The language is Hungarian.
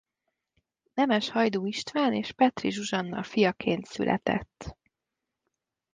Nemes Hajdú István és Petri Zsuzsanna fiaként született.